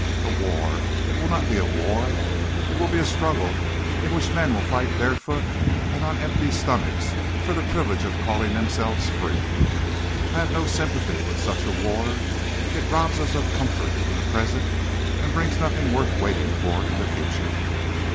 A war! It will not be a war. It will be a struggle in which men will fight barefoot and on empty stomachs for the privilege of calling themselves free. I have no sympathy with such a war. It robs us of comfort in the present and brings nothing worth waiting for in the future.